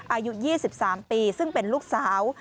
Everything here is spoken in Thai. อายุ๒๓ปีซึ่งเป็นลูกสาว